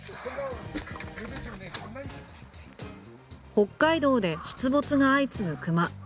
北海道で出没が相次ぐクマ。